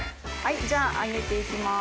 じゃあ上げて行きます。